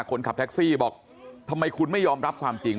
คนขับแท็กซี่บอกทำไมคุณไม่ยอมรับความจริง